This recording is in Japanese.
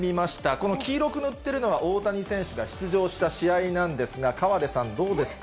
この黄色く塗ってるのは、大谷選手が出場した試合なんですが、河出さん、どうですか？